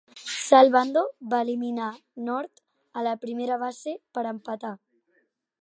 Sal Bando va eliminar North a la primera base per empatar.